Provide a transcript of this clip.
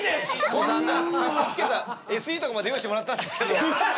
こんなかっこつけたＳＥとかまで用意してもらったんですけど。